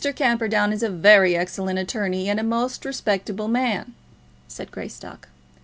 Camperdown is a very excellent attorney, and a most respectable man," said Greystock.